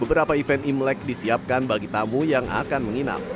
beberapa event imlek disiapkan bagi tamu yang akan menginap